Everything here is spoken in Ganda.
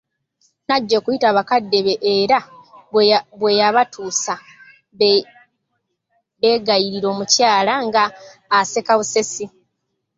Najja okuyita bakadde be era bwe yabatuusa beegayirira omukyala nga aseka busesi.